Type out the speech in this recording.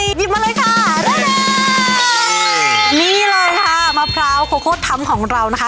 หยิบมาเลยค่ะได้เลยนี่เลยค่ะมะพร้าวโคโคตรท้ำของเรานะคะ